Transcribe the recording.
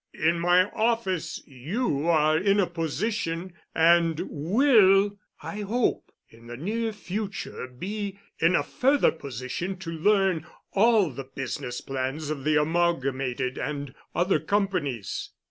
In my office you are in a position and will, I hope, in the near future be in a further position to learn all the business plans of the Amalgamated and other companies.